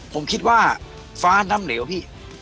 ผมคิดว่าฟ้าน้ำเหลวพี่